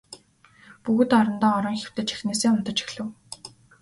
Бүгд орондоо орон хэвтэж эхнээсээ унтаж эхлэв.